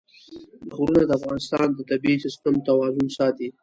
غرونه د افغانستان د طبعي سیسټم توازن ساتي.